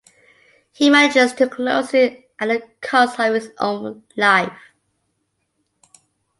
He manages to close it at the cost of his own life.